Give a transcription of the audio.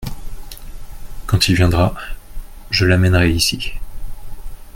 Quand il viendra je l’amènerai ici.